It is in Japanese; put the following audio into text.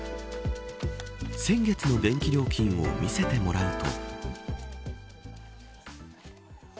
先月の電気料金を見せてもらうと。